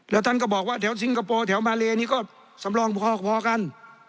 แล้วท่านก็บอกว่าแถวซิงคโปร์แถวมาเลนี่ก็สำรองพอกัน